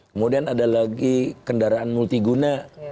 kemudian ada lagi kendaraan multi guna